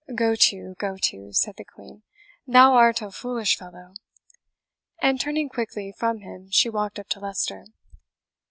"Go to go to," said the Queen; "thou art a foolish fellow" and turning quickly from him she walked up to Leicester.